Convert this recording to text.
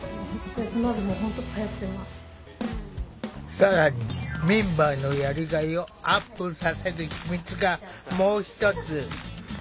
更にメンバーのやりがいをアップさせる秘密がもう一つ。